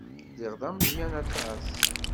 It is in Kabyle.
Lliɣ d ameẓyan aṭas.